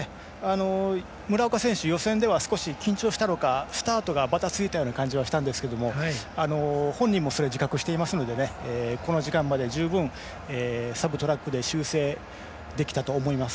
村岡選手、予選では緊張したのかスタートがばたついたような感じがしたんですけど本人もそれを自覚していますのでこの時間まで、十分サブトラックで修正できたと思います。